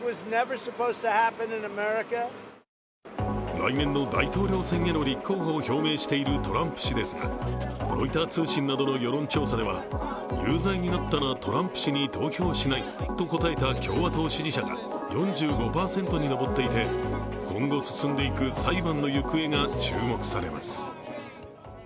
来年の大統領選への立候補を表明しているトランプ氏ですが、ロイター通信などの世論調査では有罪になったらトランプ氏に投票しないと答えた共和党支持者が４５％に上っていて、今後進んでいく裁判の行方が注目されます。